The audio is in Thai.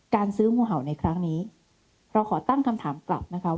การซื้องูเห่าในครั้งนี้เราขอตั้งคำถามกลับนะคะ